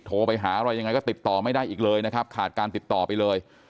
โทรไปหาอะไรยังไงก็ติดต่อไม่ได้อีกเลยนะครับขาดการติดต่อไปเลย